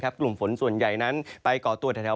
กลุ่มฝนส่วนใหญ่นั้นไปก่อตัวแถว